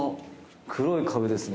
黒い壁ですね